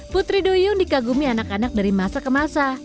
putri duyung dikagumi anak anak dari masa ke masa